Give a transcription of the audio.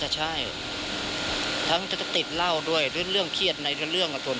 จนถึงที่พบศพ